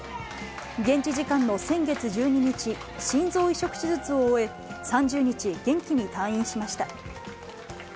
現地時間の先月１２日、心臓移植手術を終え、３０日、元気に退院しました。